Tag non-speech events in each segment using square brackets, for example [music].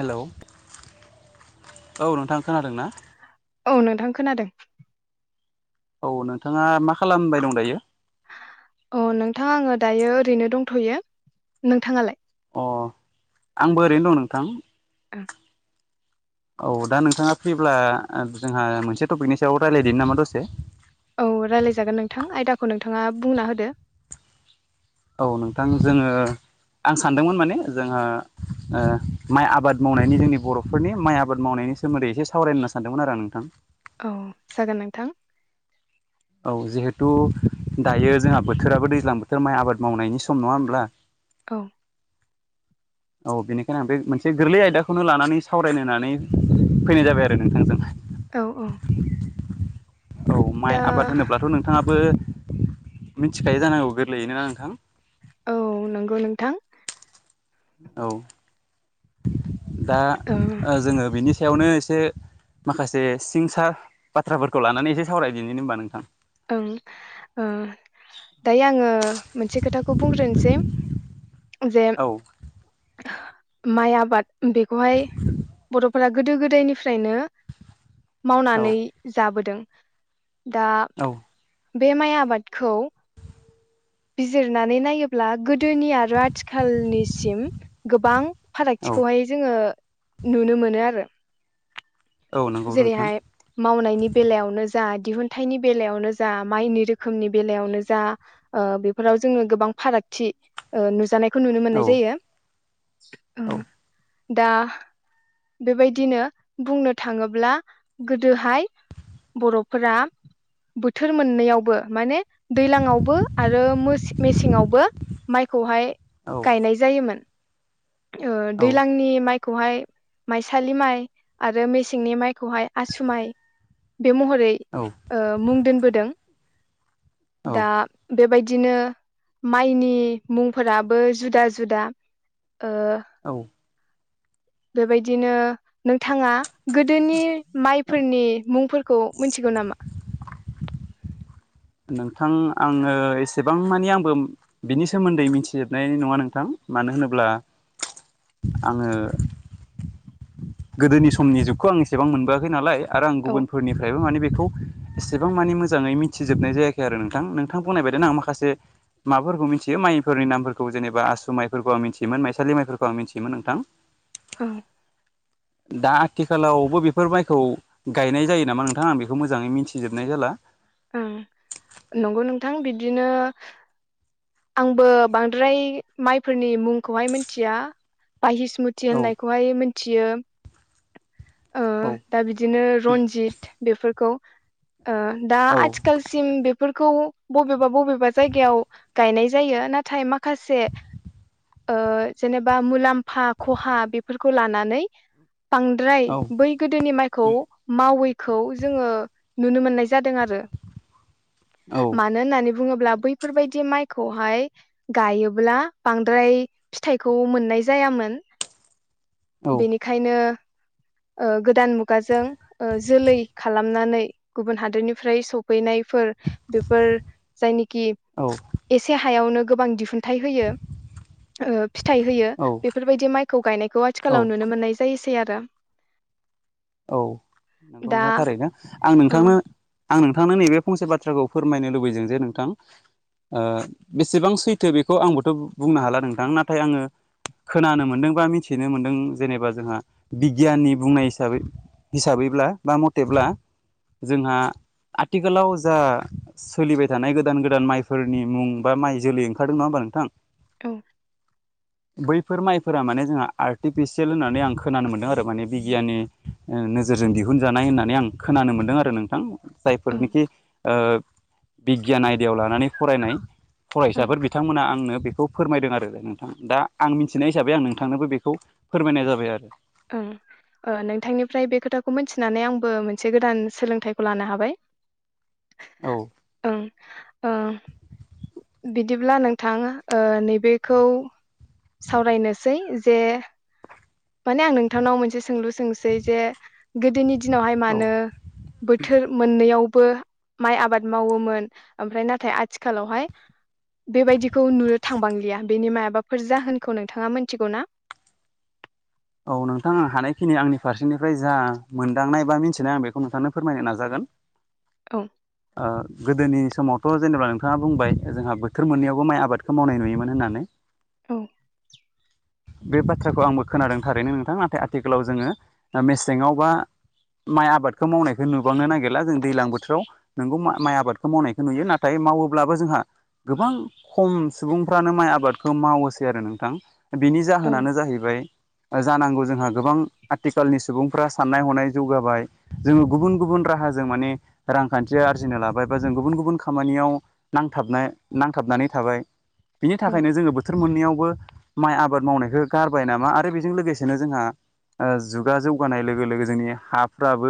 Hello औ नोंथां खोनादों ना? औ नोंथां खोनादों। औ नोंथाङा मा खालामबाय दं दायो? अ नोंथाङा आङो दायो ओरैनो दंथयो। नोंथाङालाय? अ आंबो ओरैनो दं नोंथां। अम। [inaudible] औ दा नोंथाङा फ्रिब्ला जोंहा मोनसे टपिकनि सायाव रायज्लायदो नामा दसे? औ रायलायजागोन नोंथां आयदाखौ नोंथाङा बुंना होदो। औ नोंथां जोङो आं सानदोंमोन माने जोंङो ओ- माइ आबाद मावनायनि जोंनि बरफोरनि माइ आबाद मावनाय -नि सोमोन्दै एसे सावरायनो होनना सानदोंमोन आरों नोंथां। औ जागोन नोंथां। औ जिहेथु दायो जोंहा बोथोराबो दैज्लां बोथोर माइ आबाद मावनायनि सम नङा होमब्ला? औ। औ बेनिखायनो आं बे मोनसे गोरलै आयदाखौनो लानानै सावरायनोनानै फैनाय जाबाय आरो नोंथांजों। औ -औ। औ माइ दा आबाद होनोब्लाथ' नोंथाङाबो मिथिखायो जानांगौ गोरलैना नोंथां? औ नंगौ नोंथां। औ दा ओ जोङो बेनि सायावनो एसे माखासे सिं -सा बाथ्राफोरखौ लानानै एसे सावराय बिनो होनबा नोंथां। ओं ओ दायो आङो मोनसे खोथाखौ बुंग्रोनोसै जे औ माइ आबाद बेखौहाय' बर' फोरा गोदो गोदायनिफ्रायनो औ मावनानै जाबोदों। दा औ। बे माइ आबादखौ बिजिरनानै नायोब्ला गोदो -दोनि आरो आथिखालनिसिम गोबां औ फारागथिखौहाय जोङो नुनो मोनो आरो। औ नंगौ नोंथां जेरैहाय मावनायनि बेलायावनो जा, दिहुनथाइनि बेलायावनो जा, माइनि रोखोमनि बेलायावनो जा बेफोराव जोङो गोबां फारागथि नुजानायखौ नुनो औ मोननाय जायो। औ दा बेबायदिनो बुंनो थाङोब्ला गोदोहाय बर'फोरा बोथोर मोननैयावबो माने दैलांआवबो आरो मेसेंआवबो माइखौहाय औ गायनाय जायोमोन। औ दैलांनि माइखौहाय माइसालि माइ आरो मेसें -नि माइखौहाय आसुमाइ बे महरै औ मुं दोनबोदों। दा औ बेबायदि बिदिनो माइनि मुंफोराबो जुदा -जुदा। औ बेबायदिनो नोंथाङा गोदोनि माइफोरनि मुंफोरखौ मिथिगौ नामा? नोंथां आङो एसेबां मानि आंबो बिनि सोमोन्दै मिथिजोबनाय नङा नोंथां। मानो होनोब्ला आङो गोदोनि समनि जुगखौ आं एसेबां मोनबोआखै नालाय आरो आं औ गुबुनफोरनिफ्रायबो माने बे खौ एसेबां माने मोजाङै मिथिजोबनाय जायाखै आरो नोंथां नोंथां बुंनाय बायदिनो आं माखासे माबाफोरखौ मिथियो माइफोरनि नामफोरखौ जेनेबा आसु माइफोरखौ आं मिथियोमोन माइसालि माइफोरखौ आं मिथियोमोन नोंथां। ओं-। दा आथिखालावबो बेफोर माइखौ गायनाय जायो नामा नोंथां आं बेखौ मोजाङै मिथिजोबनाय जाला। ओं नंगौ नोंथां बिदिनो आंबो बांद्राय माइफोरनि मुंखौहाय मिथिया बाहिसमुथि औ होननायखौहाय मिथियो ओ औ दा बिदिनो रनजित बेफोरखौ दा औ आथिखालसिम बेफोरखौ बबेबा-बबेबा जायगायाव गायनाय जायो नाथाय माखासे ओ जेनेबा मुलाम्फा खहा बेफोरखौ लानानै बांद्राय औ बै गोदोनि माइखौ मावै खौ जोङो नुनो मोननाय जादों आरो औ मानो होननानै बुङोब्ला बैफोरबायदि माइ खौहाय गायोब्ला बांद्राय फिथाइखौ मोननाय जायामोन [inaudible] औ बेनिखायनो [inaudible] ओ गोदान मुगाजों ओ जोलै खालामनानै गुबुन हादोरनिफ्राय सफैनाय फोर बेफोर जायनिखि औ एसे हायावनो गोबां दिहुनथाइ होयो ओ फिथाइ होयो औ बेफोरबायदि माइखौ गायनायखौ औ आथिखालाव नुनो मोननाय जायोसै सेयारा औ नंगौ ना थारैनो आं ओं नोंथांनो आं नोंथ नोंथांनो नैबे फंसे बाथ्राखौ फोरमायनो लुबैदों जे नोंथां ओ बेसेबां सैथो बेखौ आंबोथ' बुंनो हाला नोंथां नाथाय आङो खोनानो मोन्दों बा मिथिनो मोन्दों जेनेबा जोंहा बिगियाननि बुंनाय हिसाबै हिसाबैब्ला बा मथेब्ला जोंहा आथिखालाव जा सोलिबाय थानाय गोदान गोदान माइफोरनि मुं बा माइ जोलै ओंखारदों नङा बा नोंथां औ बैफोर माइफोरा माने जोंहा आर्टिफिसियेल होननानै आं खोनानो मोनदों आरो माने बिगियाननि नोजोरजों दिहुनजानाय होननानै आं खोनानो मोनदों आरो नोंथां ओं जायफोरनिखि ओ बिगियान आयदायाव लानानै फरायनाय ओं फरायसाफोर बिथांमोना आंनो बेखौ फोरमायदों आरो नोंथां दा आं मिथिनाय हिसाबै आं नोंथांनोबो बेखौ फोरमायनाय जाबाय आरो औ ओ नोंथांनिफ्राय बे खोथाखौ मिथिनानै आंबो मोनसे गोदान सोलोंथाइखौ लानो हाबाय औ औ औ बिदिब्ला नोंथां ओ नैबेखौ सावरायनोसै जे माने आं नोंथांनाव मोनसे सोंलु सोंसै जे गोदोनि दिनावहाय औ मानो बोथोर मोननैयाव बो माइ आबाद मावोमोन ओमफ्राय नाथाय आथिखालावहाय बेबायदि खौ नुनो थांबांलिया बेनि माबाफोर जाहोनखौ नोंथाङा मिथिगौ ना औ नोंथां हानायखिनि आंनि फारसेनिफ्राय जा मोनदांनाय बा मिथिनाय आं बेखौ नोंथांनो फोरमायनो नाजागोन [inaudible] औ ओ गोदोनि समावथ' जेनेबा नोंथाङा बुंबाय जोंहा बोथोर मोननैयावबो माइ आबादखौ मावनाय नुयोमोन होननानै औ बे बाथ्राखौ आंबो खोनादों थारैनो नोंथां नाथाय आथिखालाव जोङो मेसेङाव बा माइ आबादखौ मावनायखौ नुबांनो नागिरला जों दैज्लां बोथोराव नोंगौ माइ आबादखौ मावनायखौ नुयो नाथाय मावोब्लाबो जोंहा गोबां खम सुबुंफ्रानो माइ आबादखौ मावोसै आरो नोंथां बिनि औ जाहोनानो जाहैबाय जानांगौ जोंहा गोबां आथिखालनि सुबुंफ्रा साननाय हनाय जौगाबाय जोङो गुबुन गुबुन राहा जों माने रांखान्थिया आरजिनो लाबायबा जों गुबुन गुबुन खामानियावां नांथाबनान नांथाबनानै थाबाय बिनि औ थाखायनो जोङो बोथोर मोननैयावबो माइ आबाद मावनायखौ गारबाय नामा आरो बे बे जों लोगोसेनो जोंहा ओ जुगा जौगानाय लोगो लोगो जोंनि हाफ्राबो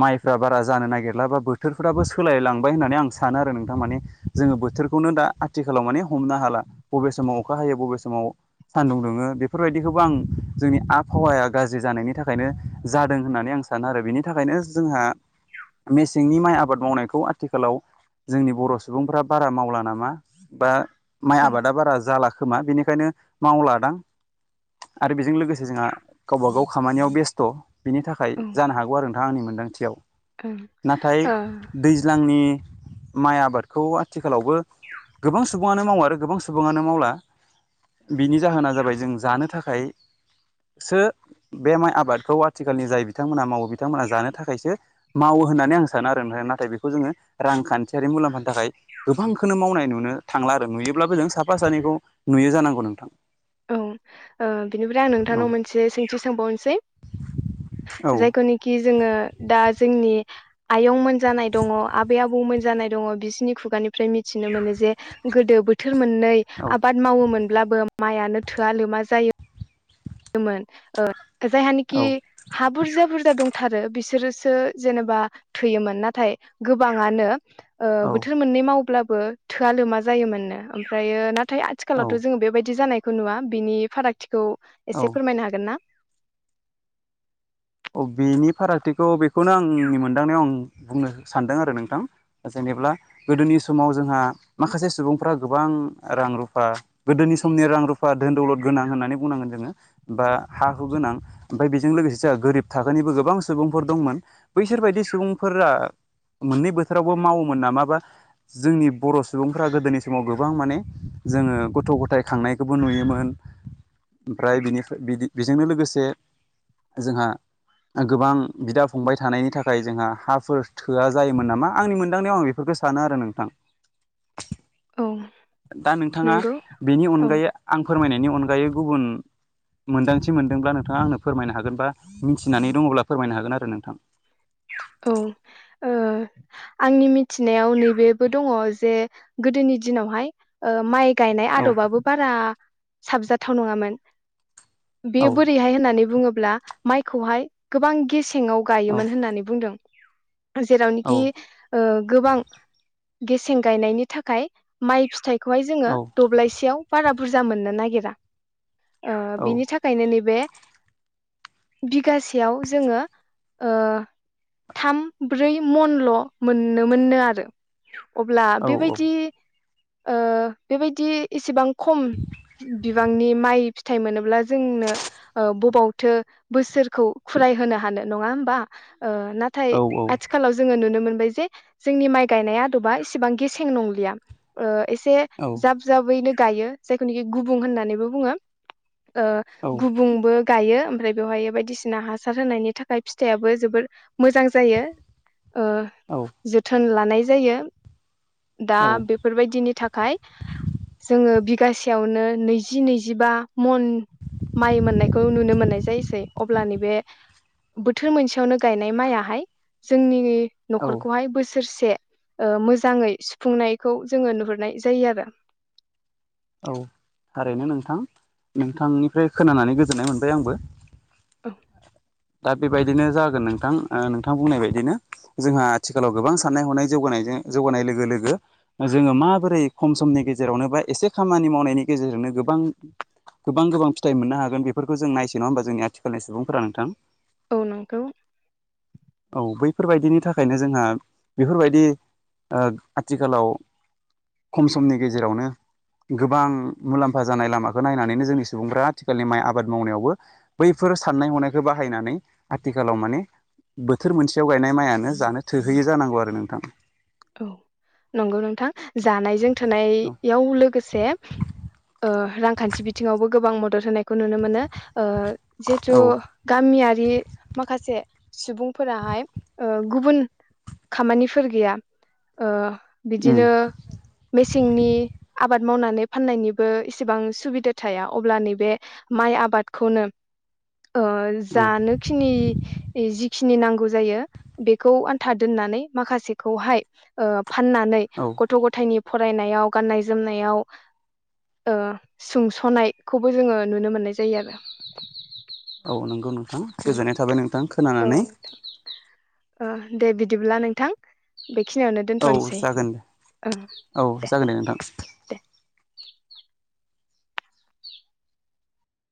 माइफ्रा बारा जानो नागिरला बा बोथोरफ्राबो सोलायलांबाय होननानै आं सानो आरो नोंथां माने जोङो बोथोरखौनो दा आथिखालाव माने हमनो हाला बबे समाव अखा हायो बबे समाव सान्दुं दुङो बेफोरबायदिखौबो आं जोंनि आबहावाया गाज्रि जानायनि थाखायनो जादों होननानै आं सानो आरो बेनि थाखायनो जोंहा मेसेंनि माइ आबाद मावनायखौ आथिखालाव जोंनि बर' सुबुंफ्रा बारा मावला नामा बा माइ औ आबादा बारा जाला खोमा बेनिखायनो मावलादां आरो बेजों लोगोसे जोंहा गावब गाव खामानियाव बेस्थ' बिनि थाखाय जानो हागौ आरो नोंथां आंनि मोनदांथियाव नाथाय ओं दैज्लांनि माइ आबादखौ आथिखालावबो गोबां सुबुंङानो मावा आरो गोबां सुबुङानो मावला बिनि जाहोना जाबाय जों जानो थाखाय सो बे माइ आबादखौ आथिखालनि जाय बिथांमोना मावो बिथांमोनहा जानो थाखायसो मावो होननानै आं सानो आरो ओमफाय नाथाय बेखौ जोङो रांखान्थियारि मुलाम्फानि थाखाय गोबांखोनो मावनाय नुनो थांला आरो नुयोब्लाबो जों साफा सानैखौ नुयो जानांगौ नोंथां औ ओ बिनिफ्राय आं औ नोंथांनाव मोनसे सोंथि सोंबावनोसै औ जायखौनोखि जोङो दा जोंनि आयं मोन जानाय दङ' आबै‌ आबौमोन जानाय दङ' बिसिनि खुगानिफ्राय मिथिनो मोनोजे गोदो बोथ थोर मोननै औ आबाद मावोमोनब्लाबो माइआनो थोआ लोमा जायो मोन ओ जायहानोखि औ हा बुरजा बुरजा दंथारो बिसोरोसो जेनेबा थोयोमोन नाथाय गोबांङानो ओ औ बोथोर मोननै मावब्लाबो थोआ लोमा जायोमोननो ओमफ्रायो ना थाय औ आथिखालावथ' जोङो बेबायदि जानायखौ नुवा बिनि फारागथिखौ औ एसे फोरमायनो हागोन ना औ बेनि फारागथिखौ बेखौनो आंनि मोनदांनायाव आं बुंनो सानदों आरो नोंथां जों एब्ला गोदोनि समाव जोंहा माखासे सुबुंफ्रा गोबां रां रुफा गोदोनि समनि रां रुफा धोन दौलद गोनां होन्नानै बुंनांगोन जोङो बा हा हु गोनां ओमफाय बेजों लोगोसे जोंआ गोरिब थाखोनिबो गोबां सुबुंफोर दंमोन बैसोरबायदि सुबुंफोरा मोननै बोथोरावबो मावोमोन नामाबा जोंनि बर' सुबुंफ्रा गोदोनि समाव गोबां माने जोङो गथ' ग'थाय खांनायखौबो नुयोमोन ओमफ्राय बिनिफाय बिदि बेजोंनो लोगोसे जोंहा गोबां बिदा फंबाय थानायनि थाखाय जोंहा हाफोर थोआ जायोमोन नामा आंनि मोनदांनायाव आं बे बेफोरखौ सानो आरो नोंथां औ दा नोंथांङा नंगौ बेनि औ अनगायै जोबोर आं फोरमायनायनि अन अनगायै गुबुन मोनदांथि मोनदोंब्ला नोंथाङा आंनो फोरमायनो हागोनबा मिथिनानै दङब्ला फोरमायनो हागोन आरो नोंथां औ ओ आंनि मिथिनायाव नैबेबो दङ जे गोदोनि दिनावहाय ओ माइ गायनाय औ आदबाबो बारा साबजाथाव नङामोन बेयो औ बोरैहाय होननानै बुङोब्ला माइखौहाय गोबां गेसेंयाव औ गायोमोन होननानै दं जेरावनोखि औ ओ गोबां गेसें गायनायनि थाखाय माइ फिथाइखौहाय जोङो दब्लायसेयाव बारा बुरजा मोननो नागिरा ओ औ बिनि थाखायनो नैबे बिगासेयाव जोङो ओ थाम ब्रै मनल' मोननो मोननो आरो अब्ला औ बेबायदि ओ बेबायदि एसेबां खम बिबांनि माइ थाइ मोनोब्ला जोंनो ओ बबावथो बोसोरखौ खुलाय होनो हानो नङा होमबा नाथाय औ औ आथिखालाव जोङो नुनो मोनो। जोंनि माइ गायनाय आदबा इसेबां गेसें नंलिया। एसे जाब जाबैनो गायो जायखौनिखि गुबुं होननानैबो बुङो। ओ गुबुंबो गायो ओमफ्राय बेवहायो बायदिसिना हासार होनायनि थाखाय फिथाइाबो जोबोर मोजां जायो ओ जोथोन लानाय जायो। दा औ बेफोर बायदिनि थाखाय जोङो बि गासेयावनो नैजि नैजिबा मन माइ मोननायखौ नुनो मोननाय जायोसै अब्ला नैबे बोथोर मोनसेयावनो गानाय माइयाहाय जोंनिनि औ न'खर खौहाय बोसो सोरसे ओ मोजाङै सुफुंनायखौ जोङो नुहुरनाय जायो आरो। औ थारैनो नोंथां नोंथांनिफ्राय खोनानानै गोजोननाय मोनबाय आंबो। औ दा बेबायदिनो जागोन नोंथां ओ नोंथां बुंनाय बादिनो। जोंहा आथिखालाव गोबां साननाय हनाय जौगानायजों जौगानाय लोगो लोगो जोङो माबोरै खम समनि गेजेरावनो बा एसे खामानि मावनायनि गेजेरजोंनो गोबां गोबां गोबां फिथाइ मोननो हागोन बेफोरखौ जों नायसै नङा होमबा जोंनि आथिखालनि सुबुंफोरा नोंथां। औ नंगौ। औ बैफोर बायदिनि थाखायनो जोंहा बेफोर बायदि ओ आथिखालाव खम समनि गेजेरावनो गोबां मुलाम्फा जानाय लामाखौ नायनानैनो जोंनि सुबुंफ्रा आथिखालनि माइ आबाद मावनायावबो बैफोर साननाय हनायखौ बाहायनानै आथिखालाव माने बोथोर मोनसेयाव गायनाय माइआनो जानो थोहैयो जानांगौ आरो नोंथां। औ नंगौ नोंथां जानायजों थोनायाव लोगोसे ओ रांखान्थि बिथिङावबो गोबां मदद होनायखौ नुनो मोनो। जिथु औ औ गामियारि माखासे सुबुंफोराहाय गुबुन खामानिफोर गैया। उम बिदिनो मेसेंनि आबाद आबाद मावनानै फाननायनिबो इसेबां सुबिदा थाया अब्ला नैबे माइ आबादखौनो [inaudible] औ जानोखिनि जि खिनि नांगौ जायो बेखौ आन्था दोननानै माखासेखौहाय। फाननानै औ गथ' गथायनि फरायनायाव गाननाय जोमनायाव ओ सुंस'नायखौबो जोङो नुनो मोननाय जायो आरो। औ नंगौ नोंथां गोजोननाय थाबाय नोंथां खोनानानै नोंथां। दे बिदिब्ला नोंथां। बेखिनियावनो औ दोनथ'नोसै जागोन दे औ दे। जागोन नोंथां दे